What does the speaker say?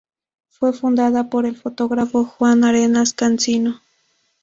Fue fundada por el fotógrafo Juan Arenas Cansino.